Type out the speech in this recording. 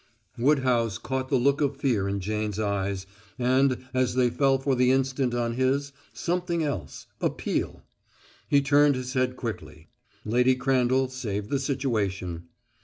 Woodhouse caught the look of fear in Jane's eyes, and, as they fell for the instant on his, something else appeal. He turned his head quickly. Lady Crandall saved the situation.